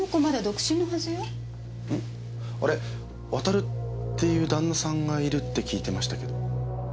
渉っていう旦那さんがいるって聞いてましたけど。